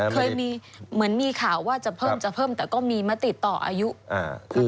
เคยมีเหมือนมีข่าวว่าจะเพิ่มจะเพิ่มแต่ก็มีมาติดต่ออายุ